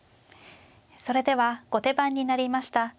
それでは後手番になりました